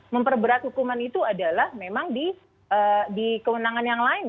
memperberat hukuman itu adalah memang di kewenangan yang lain